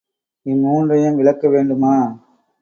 இம்மூன்றையும் விளக்க வேண்டுமா?